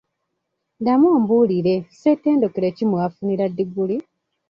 Ddamu ombuulire ssettendekero ki mwe wafunira ddiguli?